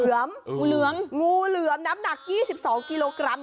งูเหลือมงูเหลือมน้ำหนัก๒๒กิโลกรัม